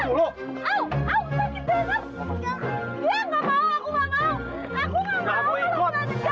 aku mau ini dulu sini dulu ini dulu kamu berani sama perempuan ini bukan urusan